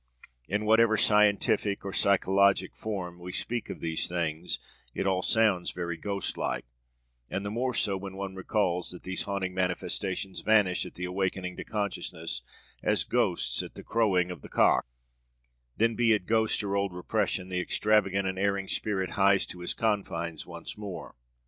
In whatever scientific or psychologic terms we speak of these things, it all sounds very ghostlike, and the more so when one recalls that these haunting manifestations vanish at the awaking to consciousness, as ghosts at the crowing of the cock; then, be it ghost or old repression, 'the extravagant and erring spirit hies to his confines' once more.